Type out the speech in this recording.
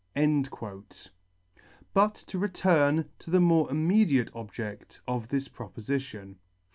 But [ 95 ] But to return to the more immediate objedt of this pro* pofition.